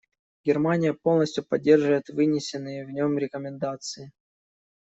Германия полностью поддерживает вынесенные в нем рекомендации.